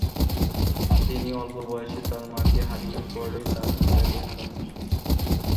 তিনি অল্প বয়সে তার মাকে হারিয়ে পরে তার পিতাকে হারান।